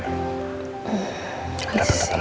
katanya ada yang mau dibicarain